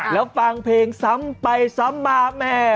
แล้วฟังเพลงซ้ำไปซ้ำมาแม่